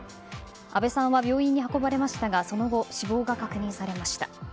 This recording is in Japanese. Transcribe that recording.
阿部さんは病院に運ばれましたがその後、死亡が確認されました。